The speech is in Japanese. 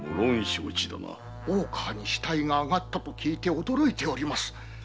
大川に死体が上がったと聞いて驚いています。